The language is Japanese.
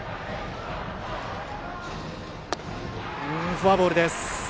フォアボールです。